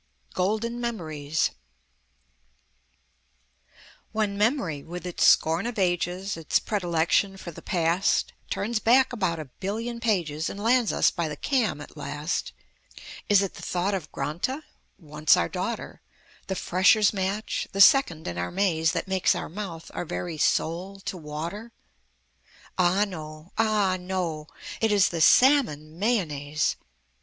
GOLDEN MEMORIES When Memory with its scorn of ages, Its predilection for the past, Turns back about a billion pages And lands us by the Cam at last; Is it the thought of "Granta" (once our daughter), The Freshers' Match, the Second in our Mays That makes our mouth, our very soul to water? Ah no! Ah no! It is the Salmon Mayonnaise!